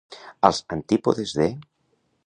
Als antípodes de.